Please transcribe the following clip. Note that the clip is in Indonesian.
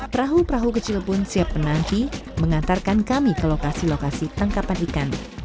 perahu perahu kecil pun siap menanti mengantarkan kami ke lokasi lokasi tangkapan ikan